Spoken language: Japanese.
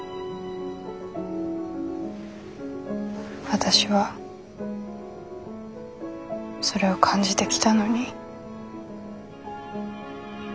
私はそれを感じてきたのに。